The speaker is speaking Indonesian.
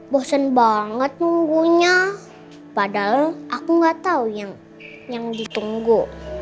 bosen banget nunggu nya padahal aku nggak tahu yang yang ditunggu